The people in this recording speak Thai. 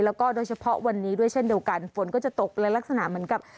แล้วก็โดยเฉพาะวันนี้ด้วยเช่นเดียวกันฝนก็จะตกและลักษณะเหมือนกับ